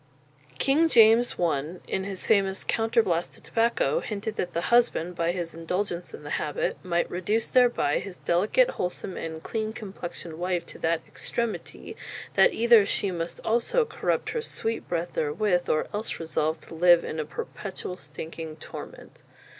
King James I in his famous "Counter blaste to Tobacco," hinted that the husband, by his indulgence in the habit, might "reduce thereby his delicate, wholesome, and cleane complexioned wife to that extremitie, that either shee must also corrupt her sweete breath therewith, or else resolve to live in a perpetuall stinking torment."